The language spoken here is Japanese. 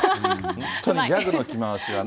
本当にギャグの着回しはね。